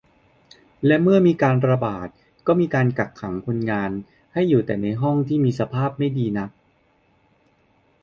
และเมื่อมีการระบาดก็มีการกักขังคนงานให้อยู่แต่ในห้องที่มีสภาพไม่ดีนัก